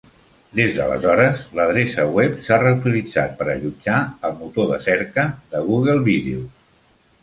Des d'aleshores, l'adreça web s'ha reutilitzat per allotjar el motor de cerca de Google Videos.